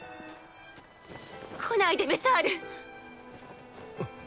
来ないでメサール。